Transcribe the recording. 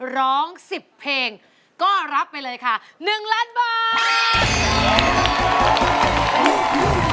ร้อง๑๐เพลงก็รับไปเลยค่ะ๑ล้านบาท